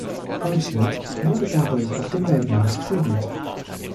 Goldschmidt wurde dadurch auf dem Weltmarkt führend.